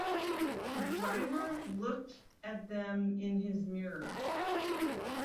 The driver looked at them in his mirror.